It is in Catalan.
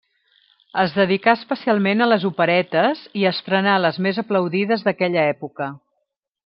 Es dedicà especialment a les operetes, i estrenà les més aplaudides d'aquella època.